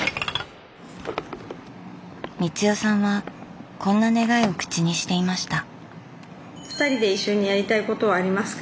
光代さんはこんな願いを口にしていました。